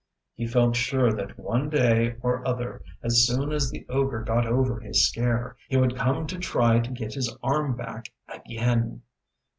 He felt sure that one day or other, as soon as the ogre got over his scare, he would come to try to get his arm back again.